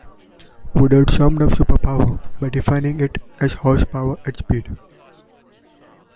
Woodard summed up "Super Power" by defining it as "horsepower at speed".